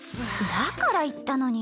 だから言ったのに。